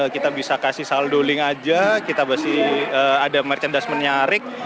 kita bisa kasih saldo link aja kita masih ada merchandise menarik